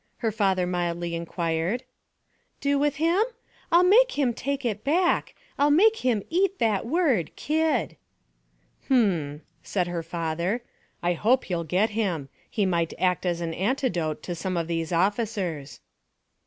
her father mildly inquired. 'Do with him? I'll make him take it back; I'll make him eat that word kid!' 'H'm!' said her father. 'I hope you'll get him; he might act as an antidote to some of these officers.'